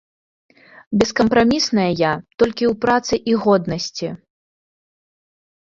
Бескапрамісная я толькі ў працы і годнасці.